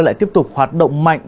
lại tiếp tục hoạt động mạnh